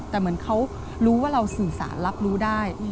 แต่เหมือนเขารู้ว่าเราสื่อสารรับรู้ได้